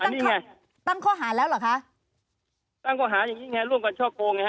ตั้งข้อหาแล้วเหรอคะตั้งข้อหาอย่างงี้ไงร่วมกันช่อโกงไงฮ